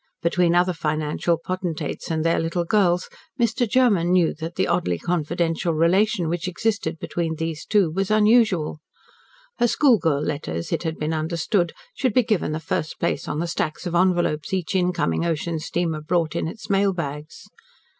Between other financial potentates and their little girls, Mr. Germen knew that the oddly confidential relation which existed between these two was unusual. Her schoolgirl letters, it had been understood, should be given the first place on the stacks of envelopes each incoming ocean steamer brought in its mail bags.